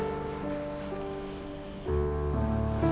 aduh kebentur lagi